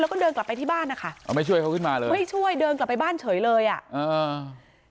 แล้วก็เดินกลับไปที่บ้านนะคะเอาไม่ช่วยเขาขึ้นมาเลยไม่ช่วยเดินกลับไปบ้านเฉยเลยอ่ะอ่า